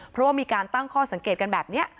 เพราะว่ามีการตั้งข้อสังเกตกันแบบนี้